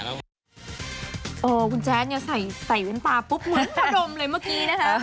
เออคุณแจ๊บเนี่ยใส่เว้นปลาปุ๊บเหมือนผดมเลยเมื่อกี้นะครับ